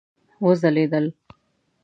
وځلیدل